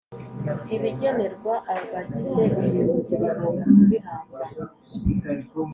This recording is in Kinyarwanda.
ibigenerwa abagize ubuyobozi bagomba kubihabwa